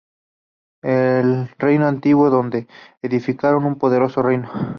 El Reino Antiguo, donde edificaron un poderoso reino.